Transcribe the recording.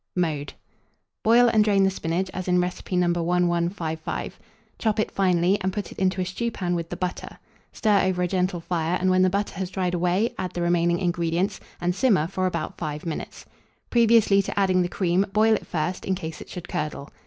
Mode. Boil and drain the spinach as in recipe No. 1155; chop it finely, and put it into a stewpan with the butter; stir over a gentle fire, and, when the butter has dried away, add the remaining ingredients, and simmer for about 5 minutes. Previously to adding the cream, boil it first, in case it should curdle.